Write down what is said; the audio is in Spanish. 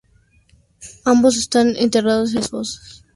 Ambos están enterrados en una de las fosas comunes del cementerio de Picpus.